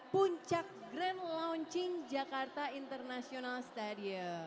puncak grand launching jakarta international stadium